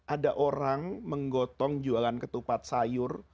ada orang menggotong jualan ketupat sayur